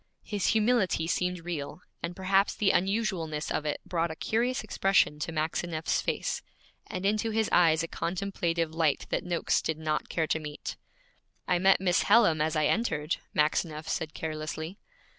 His humility seemed real, and perhaps the unusualness of it brought a curious expression to Maxineff's face, and into his eyes a contemplative light that Noakes did not care to meet. 'I met Miss Hallam as I entered,' Maxineff said carelessly.